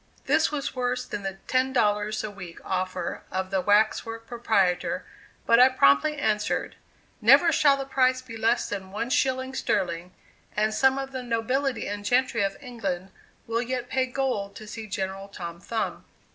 This was worse than the ten dollars a week offer of the wax works proprietor, but I promptly answered "Never shall the price be less than one shilling sterling and some of the nobility and gentry of England will yet pay gold to see General Tom Thumb."